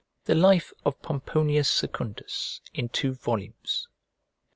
"The Life of Pomponius Secundus," in two volumes.